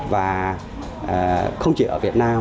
và không chỉ ở việt nam